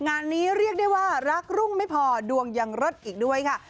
งานนี้เรียกได้ว่ารักรุ่งไม่พอดวงยังเลิศอีกด้วยค่ะ